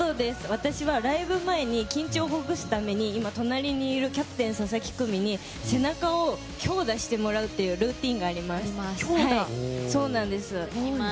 私はライブ前に緊張をほぐすために隣にいるキャプテン佐々木久美に背中を強打してもらうというルーティンがあります。